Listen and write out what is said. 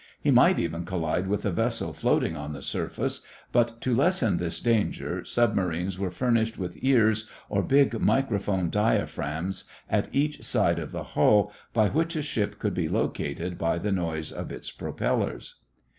He might even collide with a vessel floating on the surface, but to lessen this danger submarines were furnished with ears or big microphone diaphragms at each side of the hull by which a ship could be located by the noise of its propellers.